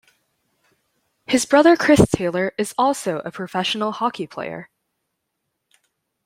His brother Chris Taylor is also a professional hockey player.